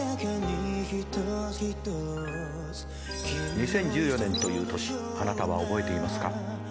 ２０１４年という年あなたは覚えていますか？